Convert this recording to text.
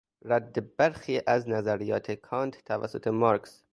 رد برخی از نظریات کانت توسط مارکس